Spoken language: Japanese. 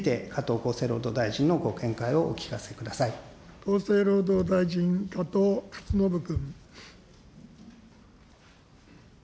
厚生労働大臣、加藤勝信君。